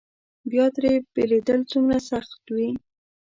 بیا ترې بېلېدل څومره سخت وي.